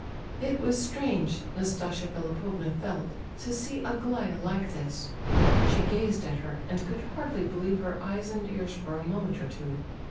It was strange, Nastasia Philipovna felt, to see Aglaya like this. She gazed at her, and could hardly believe her eyes and ears for a moment or two.